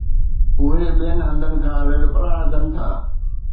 اهي ٻين هنڌن کان لڏپلاڻ ڪن ٿا